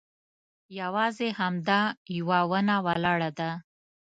یوازې همدا یوه ونه ولاړه ده.